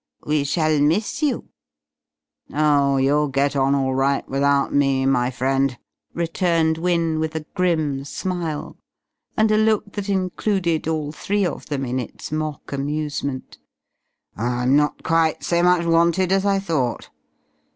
"We shall miss you " "Oh, you'll get on all right without me, my friend," returned Wynne with a grim smile, and a look that included all three of them in its mock amusement. "I'm not quite so much wanted as I thought.